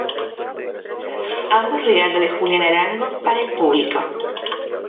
Ambos regalo de Julian Arango para el público.